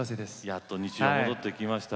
やっと日常戻ってきました。